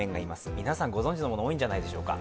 皆さん、ご存じのもの多いんじゃないでしょうか。